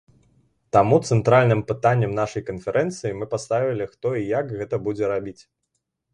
Таму цэнтральным пытаннем нашай канферэнцыі мы паставілі, хто і як гэта будзе рабіць.